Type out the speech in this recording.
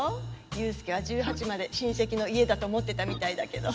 雄介は１８まで親戚の家だと思ってたみたいだけど。